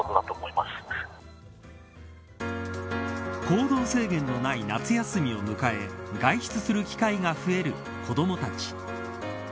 行動制限のない夏休みを迎え外出する機会が増える子どもたち。